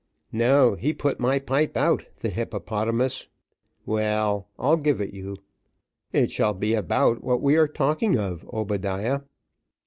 "No: he put my pipe out, the hippopotamus. Well, I'll give it you it shall be about what we are talking of, Obadiah."